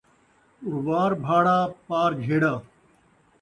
اروار بھاڑا، پار جھیڑا